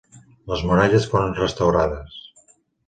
Les muralles foren restaurades.